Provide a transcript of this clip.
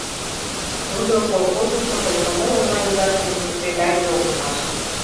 тудо колхозысо комсомол организацийын секретарьже улмаш